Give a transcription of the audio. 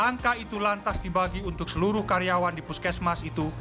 angka itu lantas dibagi untuk seluruh karyawan di puskesmas itu